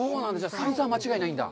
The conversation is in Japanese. サイズは間違いないんだ。